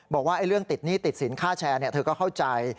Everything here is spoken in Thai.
บอกว่าเรื่องติดหนี้ติดสินค่าแชร์เธอก็เข้าใจ